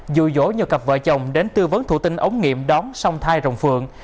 dụ dỗ nhờ cặp vợ chồng đến tư vấn thủ tinh ống nghiệm đón song thai rồng phượng